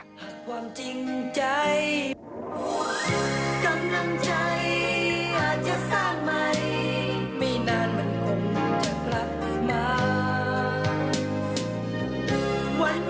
ก็เป็นกำลังใจกับครอบครัวของคุณโจด้วยนะคะ